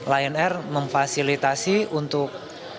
lion air memfasilitasi untuk